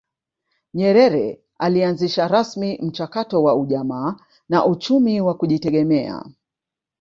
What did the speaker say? Nyerere alianzisha rasmi mchakato wa ujamaa na uchumi wa kujitegemea